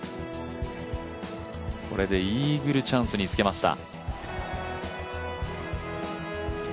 これでイーグルチャンスにつけました。